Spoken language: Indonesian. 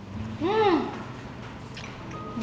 dia pasti mikir mitara tuh